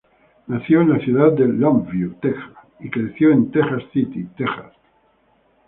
Nació en la ciudad de Longview, Texas, y creció en Texas City, Texas.